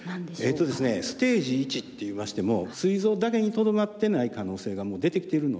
えとですねステージ１っていいましてもすい臓だけにとどまってない可能性がもう出てきているので。